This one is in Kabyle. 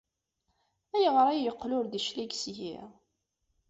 Ayɣer ay yeqqel ur d-yeclig seg-i?